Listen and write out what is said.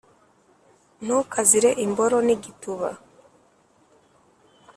ntukazire imboro n'igituba